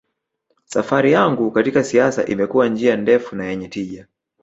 safari yangu katika siasa imekuwa njia ndefu na yenye tija